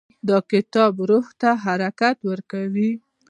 دا کتاب روح ته حرکت ورکوي.